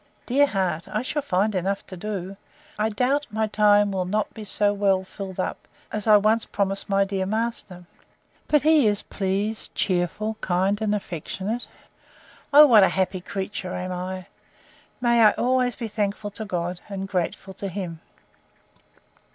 Dear heart! I shall find enough to do!—I doubt my time will not be so well filled up, as I once promised my dear master!—But he is pleased, cheerful, kind, affectionate! O what a happy creature am I!—May I be always thankful to God, and grateful to him!